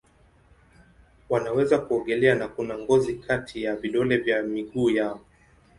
Wanaweza kuogelea na kuna ngozi kati ya vidole vya miguu yao.